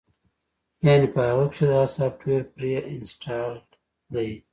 يعنې پۀ هغۀ کښې دا سافټوېر پري انسټالډ دے